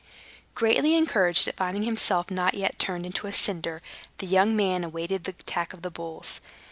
Greatly encouraged at finding himself not yet turned into a cinder, the young man awaited the attack of the bulls.